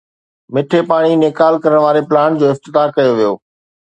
مٺي پاڻي نيڪال ڪرڻ واري پلانٽ جو افتتاح ڪيو ويو